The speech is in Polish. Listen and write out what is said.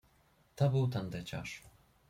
"To był tandeciarz."